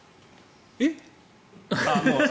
えっ？